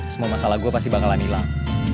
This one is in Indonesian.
semua masalah gue pasti bakalan hilang